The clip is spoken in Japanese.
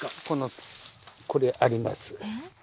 このこれあります。